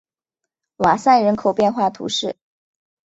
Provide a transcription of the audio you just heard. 瓦塞人口变化图示